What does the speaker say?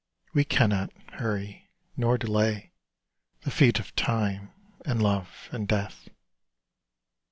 We cannot hurry nor delay The feet of Time and Love and Death.